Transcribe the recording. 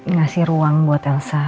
ngasih ruang buat elsa